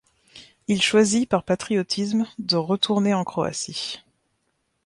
Il choisit, par patriotisme, de retourner en Croatie.